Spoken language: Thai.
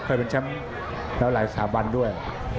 เป็นแชมป์แล้วหลายสถาบันด้วย